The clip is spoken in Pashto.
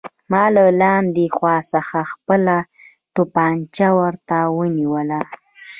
ما له لاندې خوا څخه خپله توپانچه ورته ونیوله